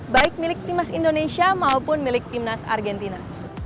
baik milik timnas indonesia maupun milik timnas argentina